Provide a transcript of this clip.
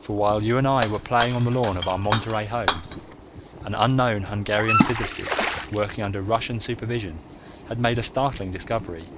For while you and I were playing on the lawn of our Monterey home, an unknown Hungarian physicist working under Russian supervision had made a startling discovery.